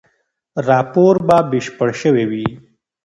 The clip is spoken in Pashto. راپور به بشپړ شوی وي.